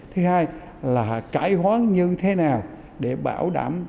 thứ hai là cải hoán như thế nào để bảo đảm